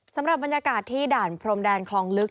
สำหรับบรรยากาศที่ด่านพรมแดนคลองลึก